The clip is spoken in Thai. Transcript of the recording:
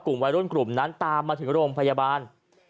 กลุ่มวัยรุ่นกลุ่มนั้นตามมาถึงโรงพยาบาล